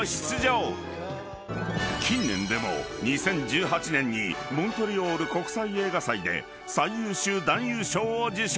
［近年でも２０１８年にモントリオール国際映画祭で最優秀男優賞を受賞］